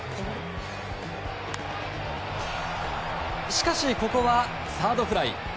しかし、ここはサードフライ。